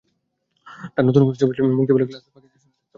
তাঁর নতুন কোনো ছবি মুক্তি পেলে ক্লাস ফাঁকি দিয়ে হলে চলে যেতাম।